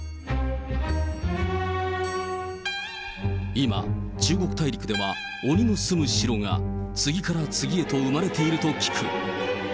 今、中国大陸では鬼の住む城が次から次へと生まれていると聞く。